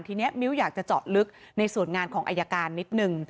ทีนี้มิ้วอยากจะเจาะลึกในส่วนงานของอายการนิดนึง